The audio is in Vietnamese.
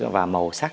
và màu sắc